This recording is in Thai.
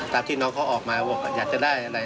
ที่น้องเขาออกมาว่าอยากจะได้อะไร